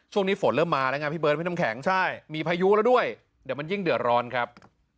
ช่วงนี้ฝนเริ่มมาแล้วไงพี่เบิร์ดพี่น้ำแข็งใช่มีพายุแล้วด้วยเดี๋ยวมันยิ่งเดือดร้อนครับ